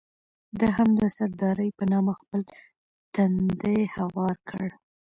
ده هم د سردارۍ په نامه خپل تندی هوار کړ.